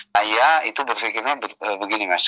saya itu berpikirnya begini mas